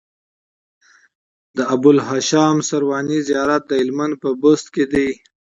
د ابوالهاشم سرواني زيارت د هلمند په بست کی دی